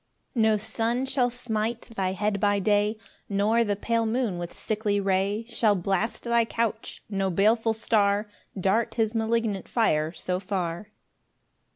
5 No sun shall smite thy head by day, Nor the pale moon with sickly ray Shall blast thy couch; no baleful star Dart his malignant fire so far.